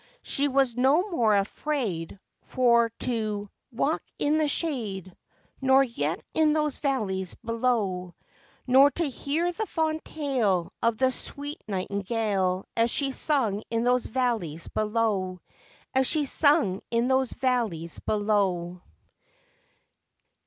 She was no more afraid For to walk in the shade, Nor yet in those valleys below: Nor to hear the fond tale Of the sweet nightingale, As she sung in those valleys below, As she sung in those valleys below.